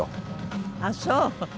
ああそう。